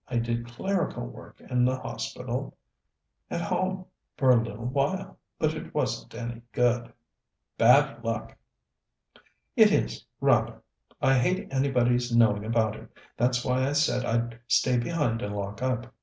I did clerical work in the hospital at home for a little while, but it wasn't any good." "Bad luck!" "It is, rather. I hate anybody's knowing about it; that's why I said I'd stay behind and lock up.